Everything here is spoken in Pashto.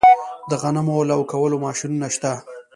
د غنمو لو کولو ماشینونه شته